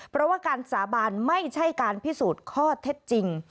เพราะว่าการสาบานไม่ใช่การพิสูจน์ข้อเท็จจริง